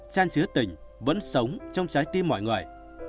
chan chứa tình vẫn sống trong trái tim mọi người